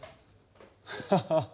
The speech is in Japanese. ハハハハ。